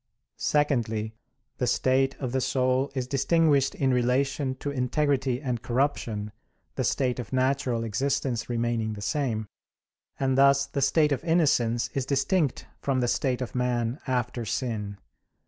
Secondly, the state of the soul is distinguished in relation to integrity and corruption, the state of natural existence remaining the same: and thus the state of innocence is distinct from the state of man after sin.